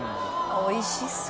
おいしそう。